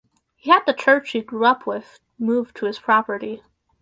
He had the church he grew up with moved to his property.